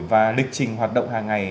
và lịch trình hoạt động hàng ngày